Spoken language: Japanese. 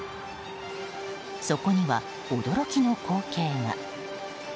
そこには、驚きの光景が。